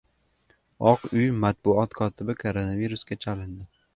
Oq uy matbuot kotibi koronavirusga chalindi